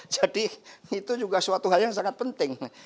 jadi itu juga suatu hal yang sangat penting